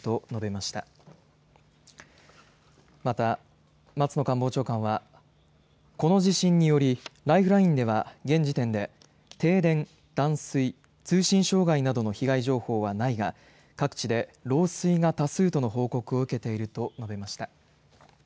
また、松野官房長官はこの地震によりライフラインでは現時点で停電、断水、通信障害などの被害情報はないが各地で漏水が多数との報告を受けていると述べました。